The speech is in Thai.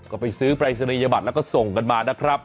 ก็ไปซื้อปรายศนียบัตรแล้วก็ส่งกันมานะครับ